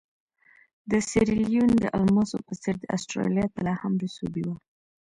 د سیریلیون د الماسو په څېر د اسټرالیا طلا هم رسوبي وه.